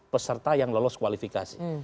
peserta yang lolos kualifikasi